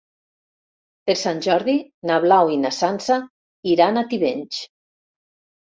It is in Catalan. Per Sant Jordi na Blau i na Sança iran a Tivenys.